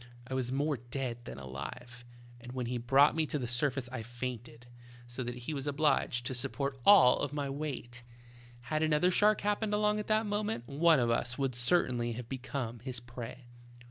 I was more dead than alive, and when he brought me to the surface I fainted, so that he was obliged to support all my weight. Had another shark happened along at that moment, one of us would certainly have become his prey.